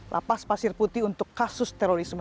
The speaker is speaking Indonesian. lapas pasir putih untuk kasus terorisme